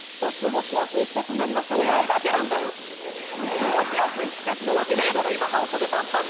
過ごしやすい季節のわけねえだろ半袖短パンの。